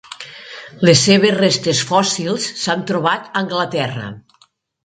Les seves restes fòssils s'han trobat a Anglaterra.